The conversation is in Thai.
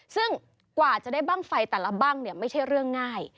ซึ่งกว่าจะได้บ้างไฟแต่ละบ้างไม่ใช่เรื่องง่าย